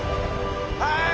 はい！